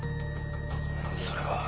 それは。